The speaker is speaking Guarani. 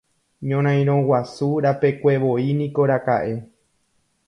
Ñorairõ Guasu rapekuevoi niko raka'e.